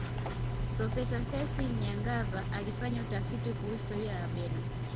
profesa sethi nyagava alifanya utafiti kuhusu historia ya wabena